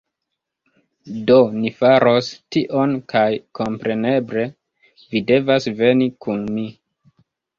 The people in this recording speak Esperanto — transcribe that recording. Do, ni faros tion kaj kompreneble vi devas veni kun mi